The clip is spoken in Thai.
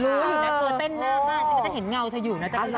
หูยหูเต้นหน้ากร้องค่ะสิก็จะเห็นเงาเธออยู่น่ะจังนะ